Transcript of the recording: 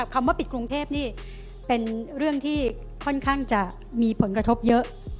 คำว่าปิดกรุงเทพนี่เป็นเรื่องที่ค่อนข้างจะมีผลกระทบเยอะ